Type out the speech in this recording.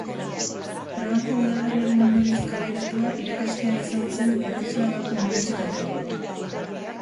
Pragako Udaberriaren ondorioz kaleratua, irakaslea izan zen Bratislavako Unibertsitatean.